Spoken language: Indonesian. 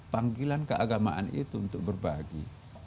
panggilan keagamaan itu untuk berbagi